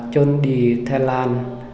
trôn đi thái lan